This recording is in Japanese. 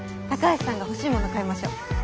高橋さんが欲しいもの買いましょう。